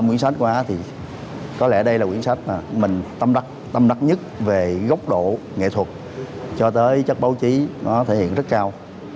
trong một mươi năm quyển sách qua thì có lẽ đây là quyển sách mà mình tâm đắc nhất về gốc độ nghệ thuật cho tới chất báo chí nó thể hiện rất cao